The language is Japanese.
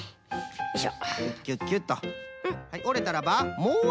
よいしょ。